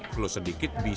perlu sedikit bisnis